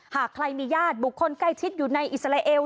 หากใครมีญาติบุคคลใกล้ชิดอยู่ในอิสราเอล